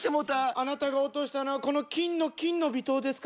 あなたが落としたのはこの金の「金の微糖」ですか？